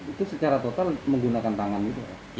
itu secara total menggunakan tangan gitu pak